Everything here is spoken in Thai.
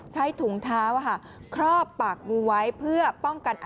ใช้ถุงเท้าค่ะครอบปากงูไว้เพื่อป้องกันอันตราย